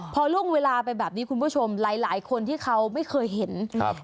พอล่วงเวลาไปแบบนี้คุณผู้ชมหลายหลายคนที่เขาไม่เคยเห็นครับ